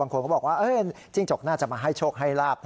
คนก็บอกว่าจิ้งจกน่าจะมาให้โชคให้ลาบ